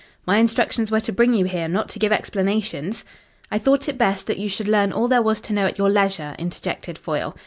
"My instructions were to bring you here not to give explanations." "I thought it best that you should learn all there was to know at your leisure," interjected Foyle.